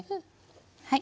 はい。